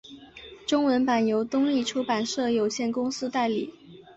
中文版由东立出版社有限公司代理。